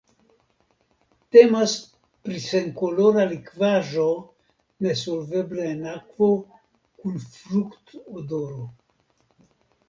Temas pri senkolora likvaĵo nesolvebla en akvo kun fruktodoro.